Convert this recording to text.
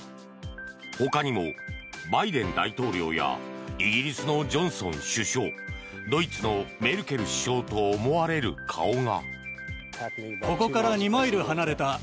ほかにもバイデン大統領やイギリスのジョンソン首相ドイツのメルケル首相と思われる顔が。